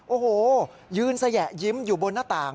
โอ้โหยืนสยะยิ้มอยู่บนหน้าต่าง